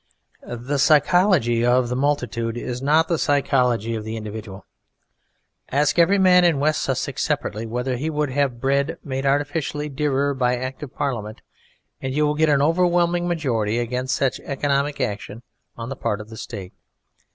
The psychology of the multitude is not the psychology of the individual. Ask every man in West Sussex separately whether he would have bread made artificially dearer by Act of Parliament, and you will get an overwhelming majority against such economic action on the part of the State.